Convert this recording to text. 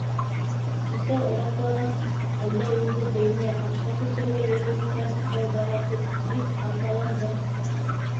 - Кисә оҙаҡлағас, әллә инде дөйөм ятаҡҡа күсергә йөрөй микән был бала тип, бик хафаландым...